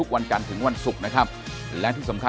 ๘๐๐กว่าบาทค่ะ